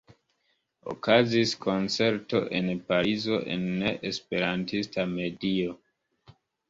Okazis koncerto en Parizo en ne-esperantista medio.